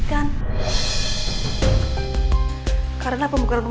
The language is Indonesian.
dia yang pernah menembara kami